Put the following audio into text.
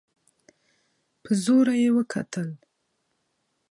په زوره يې وکتل.